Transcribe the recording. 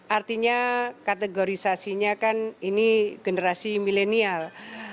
artinya kategorisasinya kan ini generasi milenial